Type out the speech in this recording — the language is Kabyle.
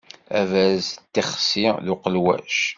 Aberrez d tixsi d uqelwac.